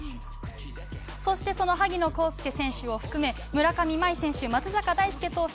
そして、その萩野公介選手を含め村上茉愛選手、松坂大輔選手